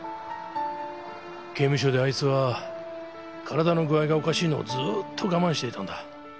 刑務所であいつは体の具合がおかしいのをずっと我慢していたんだ。